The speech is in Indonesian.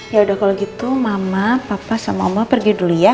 yaudah kalau gitu mama papa sama omah pergi dulu ya